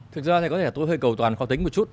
thực ra thì có thể tôi hơi cầu toàn khó tính một chút